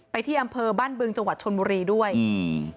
ที่อำเภอบ้านบึงจังหวัดชนบุรีด้วยอืม